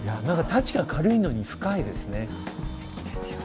タッチが軽いのに深いですね。